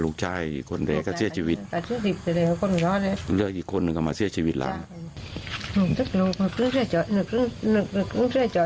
ลูกชายคนเดียวก็เสียชีวิตอีกคนหนึ่งก็มาเสียชีวิตร้าน